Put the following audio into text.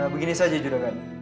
begini saja juragan